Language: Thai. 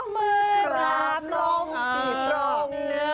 ๒มือกลับลงจิตลงเนื้อ